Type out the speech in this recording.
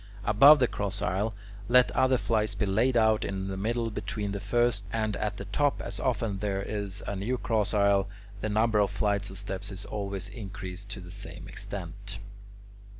Above the cross aisle, let other flights be laid out in the middle between the first; and at the top, as often as there is a new cross aisle, the number of flights of steps is always increased to the same extent.